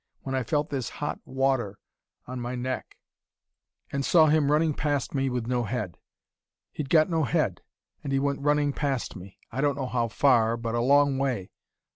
When I felt this hot water on my neck and saw him running past me with no head he'd got no head, and he went running past me. I don't know how far, but a long way....